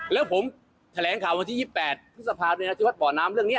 แล้วผมแถลงข่าววันที่๒๘ทุกสภาพในอาทิวัตรป่อน้ำเรื่องนี้